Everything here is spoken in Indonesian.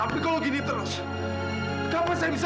yang pernah menyebutkan kesulitan area manusia di indonesia